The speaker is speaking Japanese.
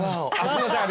すいません